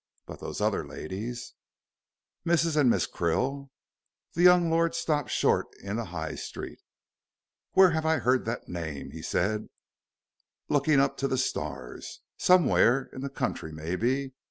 But those other ladies?" "Mrs. and Miss Krill." The young lord stopped short in the High Street. "Where have I heard that name?" he said, looking up to the stars; "somewhere in the country maybe.